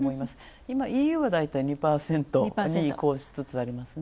今、ＥＵは２％に移行しつつありますね。